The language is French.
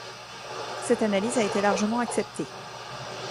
Cette analyse a été largement acceptée.